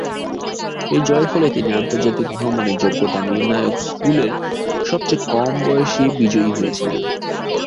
এই জয়ের ফলে তিনি আন্তর্জাতিক ভ্রমণে যোগ্যতা নির্ণায়ক স্কুলের সবচেয়ে কম বয়সী বিজয়ী হয়েছিলেন।